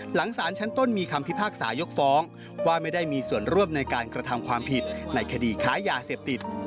หลังสารชั้นต้นมีคำพิพากษายกฟ้องว่าไม่ได้มีส่วนร่วมในการกระทำความผิดในคดีค้ายาเสพติด